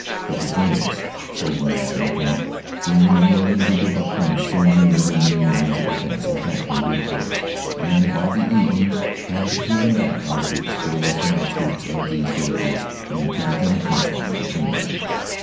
"But the Germans," so runs an account "being unwilling to give up points so near their main lines of defenses, attacked in great force, and by the evening had driven back our troops to the western outskirts of these villages and to the German trench line between them."